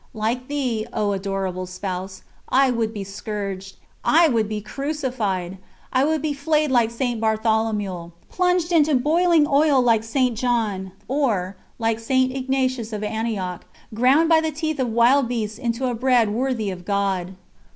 Like Thee, O Adorable Spouse, I would be scourged, I would be crucified! I would be flayed like St. Bartholomew, plunged into boiling oil like St. John, or, like St. Ignatius of Antioch, ground by the teeth of wild beasts into a bread worthy of God.